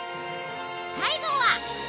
最後は